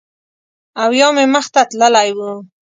او یا مې مخ ته تللی و